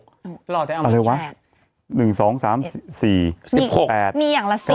หล่อแต่เอาไว้อะไรวะหนึ่งสองสามสี่สี่สิบหกแปดมีอย่างละสี่